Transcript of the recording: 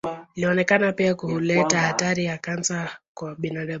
Ilionekana pia kuleta hatari ya kansa kwa binadamu.